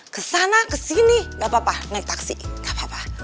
kesana kesini gak apa apa naik taksi gak apa apa